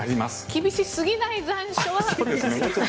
厳しすぎない残暑は。